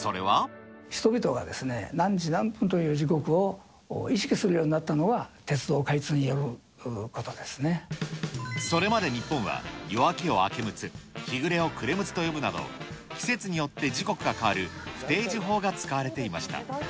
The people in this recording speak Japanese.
人々がですね、何時何分という時刻を意識するようになったのは、それまで日本は、夜明けを明け六つ、日暮れを暮れ六つと呼ぶなど、季節によって時刻が変わる不定時法が使われていました。